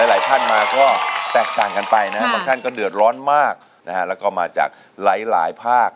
หลายคันมาก็แตกต่างกันไปนะครับบางท่านก็เดือดร้อนมากและมาจากหลายภาค